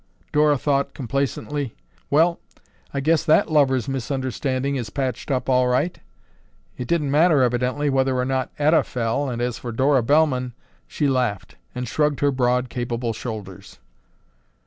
Dora thought complacently, "Well, I guess that lover's misunderstanding is patched up all right. It didn't matter, evidently, whether or not Etta fell, and as for Dora Bellman—" she laughed and shrugged her broad, capable shoulders.